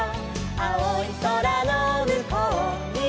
「あおいそらのむこうには」